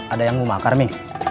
ada yang mau makan mi